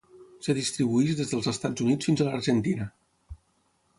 Es distribueix des dels Estats Units fins a l'Argentina.